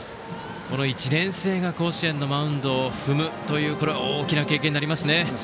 １年生が甲子園のマウンドを踏むのは大きな経験になりますね。